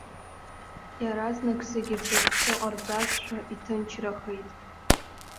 Иаразнак зегьы ҽырԥсны ҟарҵазшәа иҭынчрахеит.